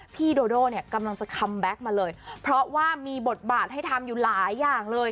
โดโด่เนี่ยกำลังจะคัมแบ็คมาเลยเพราะว่ามีบทบาทให้ทำอยู่หลายอย่างเลย